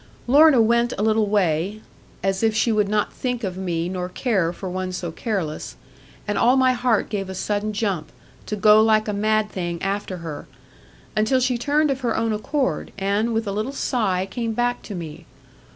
Lorna went a little way, as if she would not think of me nor care for one so careless; and all my heart gave a sudden jump, to go like a mad thing after her; until she turned of her own accord, and with a little sigh came back to me.